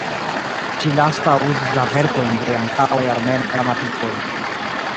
Ĉi-lasta uzis la verkojn de antaŭaj armenaj gramatikoj.